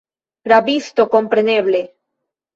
Rabisto, kompreneble!